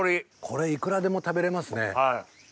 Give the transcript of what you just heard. これいくらでも食べれますね。